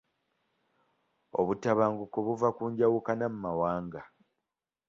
Obutabanguko buva ku njawukana mu mawanga.